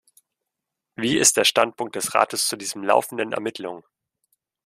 Wie ist der Standpunkt des Rates zu diesen laufenden Ermittlungen?